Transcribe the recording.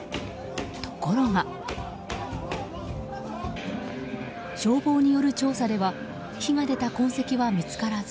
ところが、消防による調査では火が出た痕跡は見つからず。